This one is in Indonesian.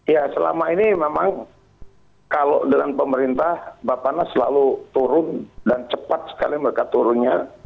ya selama ini memang kalau dengan pemerintah bapak nas selalu turun dan cepat sekali mereka turunnya